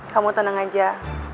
kamu tenang aja